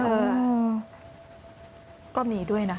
เออก็มีด้วยนะ